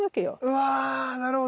うわなるほど。